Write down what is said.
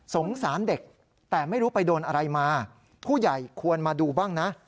สารเด็กแต่ไม่รู้ไปโดนอะไรมาผู้ใหญ่ควรมาดูบ้างนะ